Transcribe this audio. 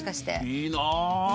いいなぁ。